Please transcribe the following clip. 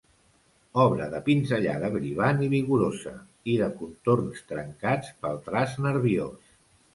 Obra de pinzellada vibrant i vigorosa, i de contorns trencats pel traç nerviós.